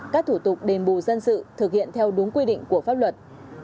các thủ tục đền bù dân sự thực hiện theo đúng quy định của pháp luật